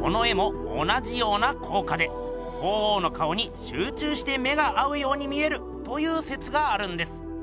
この絵も同じような効果で鳳凰の顔にしゅう中して目が合うように見えるという説があるんです。